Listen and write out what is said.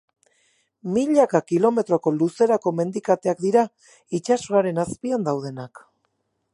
Milaka kilometroko luzerako mendikateak dira, itsasoaren azpian daudenak